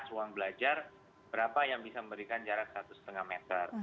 ruang belajar berapa yang bisa memberikan jarak satu lima meter